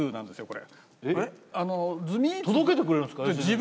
これえっ？届けてくれるんですか？